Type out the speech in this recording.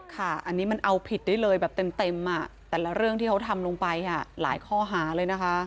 ค่ะอันนี้มันเอาผิดได้เลยแบบเต็มแต่ละเรื่องที่เขาทำลงไปหลายข้อหาเลยนะคะ